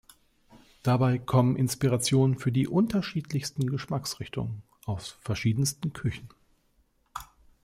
Dabei kommen Inspirationen für die unterschiedlichsten Geschmacksrichtungen aus verschiedensten Küchen.